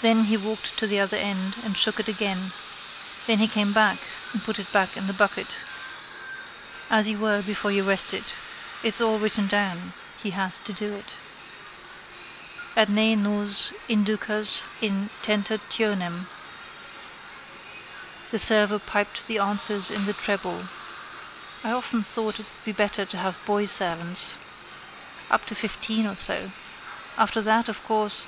Then he walked to the other end and shook it again. Then he came back and put it back in the bucket. As you were before you rested. It's all written down: he has to do it. —Et ne nos inducas in tentationem. The server piped the answers in the treble. I often thought it would be better to have boy servants. Up to fifteen or so. After that, of course